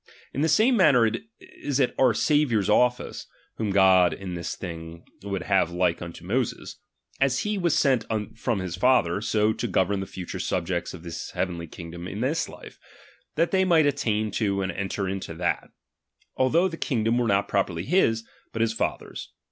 In the same manner is it our Saviours office, (whom God in this thing would have like unto Moses), as he was sent from his Father, so to govern the future subjects of his heavenly kingdom in this life, that they might attain to and enter into that ; although the kingdom were not properly his, but his Father's.